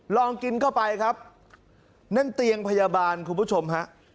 ลองกินเข้าไปครับนั่นเตียงพยาบาลคุณผู้ชมฮะ